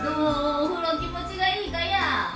お風呂気持ちがいいかや？